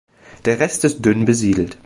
Der Rest ist dünn besiedelt.